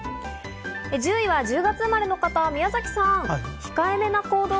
１０位は１０月生まれの方、宮崎さん。